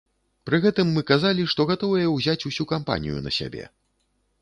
Пры гэтым мы казалі, што гатовыя ўзяць усю кампанію на сябе.